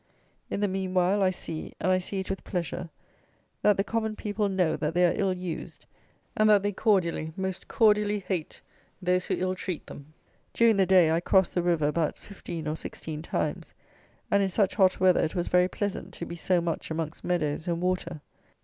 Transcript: In the meanwhile I see, and I see it with pleasure, that the common people know that they are ill used; and that they cordially, most cordially, hate those who ill treat them. During the day I crossed the river about fifteen or sixteen times, and in such hot weather it was very pleasant to be so much amongst meadows and water.